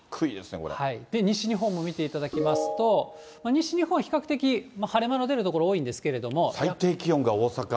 西日本も見ていただきますと、西日本は比較的、晴れ間の出る所、最低気温が大阪。